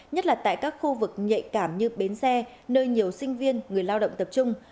nhất là tại các khu vực nhạy cảm như bến xe nơi nhiều sinh viên người lao động tập trung